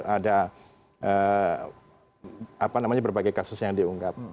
ada berbagai kasus yang diungkap